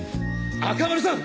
赤丸さん！